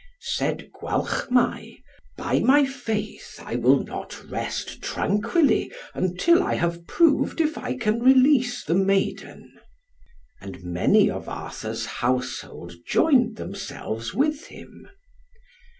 Said Gwalchmai, "By my faith, I will not rest tranquilly until I have proved if I can release the maiden." And many of Arthur's household joined themselves with him.